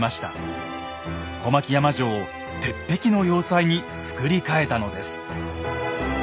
小牧山城を鉄壁の要塞につくり替えたのです。